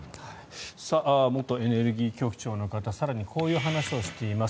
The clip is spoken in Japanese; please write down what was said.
元エネルギー局長の方更にこういう話をしています。